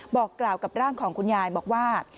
บอกกล่าวกับร่างของคุณยายบอกว่า